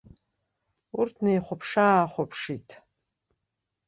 Урҭ неихәаԥшы-ааихәаԥшит.